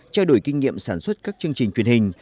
trao đổi kinh nghiệm sản xuất các chương trình truyền hình